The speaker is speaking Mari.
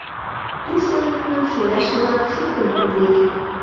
— Тушто нунын «шоляш-влак» шукын улыт».